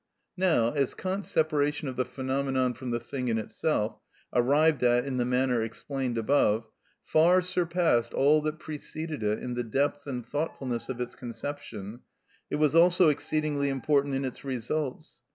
Now as Kant's separation of the phenomenon from the thing in itself, arrived at in the manner explained above, far surpassed all that preceded it in the depth and thoughtfulness of its conception, it was also exceedingly important in its results.